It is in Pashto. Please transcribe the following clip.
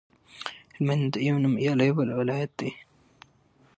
هلمند یو نومیالی ولایت دی